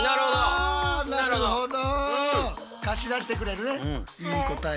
あなるほど。